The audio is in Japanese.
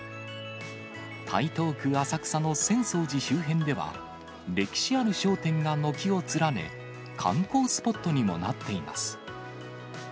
台東区浅草の浅草寺周辺では、歴史ある商店が軒を連ね、観光スポットにもなっています。